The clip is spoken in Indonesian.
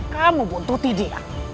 kamu buntuti dia